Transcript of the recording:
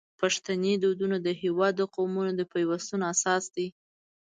پښتني دودونه د هیواد د قومونو د پیوستون اساس دی.